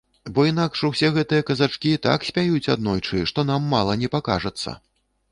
Бо інакш усе гэтыя казачкі так спяюць аднойчы, што нам мала не пакажацца.